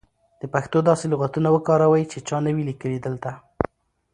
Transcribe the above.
د پښتو داسې لغاتونه وکاروئ سی چا نه وې لیکلي دلته.